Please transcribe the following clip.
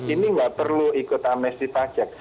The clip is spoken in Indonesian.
ini nggak perlu ikut amnesti pajak